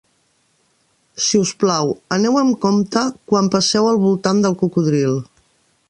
Si us plau, aneu amb compte quan passeu al voltant del cocodril.